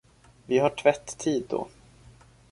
Vi har tvätt-tid då.